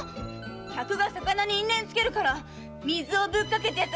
客が魚にインネンつけるから水をぶっかけてやっただけさ！